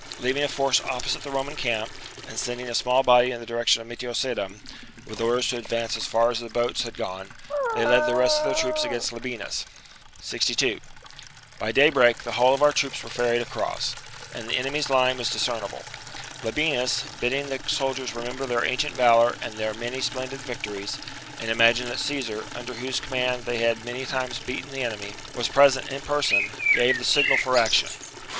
Leaving a force opposite the Roman camp, and sending a small body in the direction of Metio sedum, with orders to advance as far as the boats VII OF VERCINGETORIX 253 had gone, they led the rest of their troops against 52 b.c. Labienus. 62. By daybreak the whole of our troops He inflicts were ferried across/ and the enemy's line was dis defeafon^ cernible. Labienus, bidding the soldiers remember ge^nTi" and re their ancient valour and their many splendid J"'"^ ^^^''^'■• victories, and imagine that Caesar, under whose command they had many times beaten the enemy, was present in person, gave the signal for action.